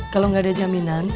kalau nggak ada jaminan